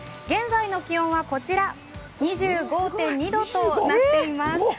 現在の気温は２５．２度となっています。